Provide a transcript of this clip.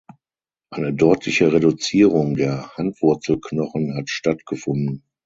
Eine deutliche Reduzierung der Handwurzelknochen hat stattgefunden.